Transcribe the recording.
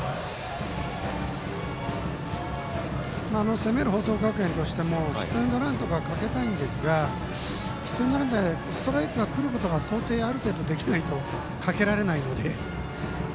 攻める報徳学園としてもヒットエンドランとかかけたいんですがストライクがくることが想定ができないとかけられないので。